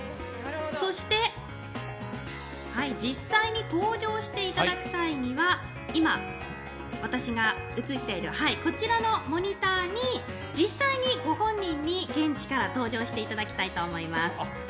そして実際に登場していただく際には、今、私が映っているこちらのモニターに実際にご本人に現地から登場していただきたいと思います。